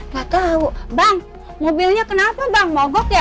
gak tahu bang mobilnya kenapa bang mogok ya